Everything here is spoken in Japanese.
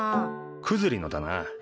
クズリのだな。